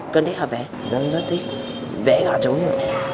con thích học vẽ dân rất thích vẽ gà trống nhiều hơn